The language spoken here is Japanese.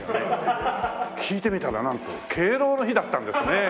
聞いてみたらなんと敬老の日だったんですね。